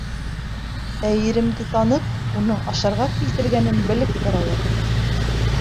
Ә иремде танып, уның ашарға килтергәнен белеп торалар.